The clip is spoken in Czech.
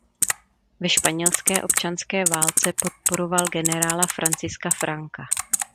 Ve španělské občanské válce podporoval generála Franciska Franka.